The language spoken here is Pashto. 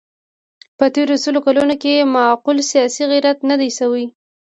په تېرو سلو کلونو کې معقول سیاسي غیرت نه دی شوی.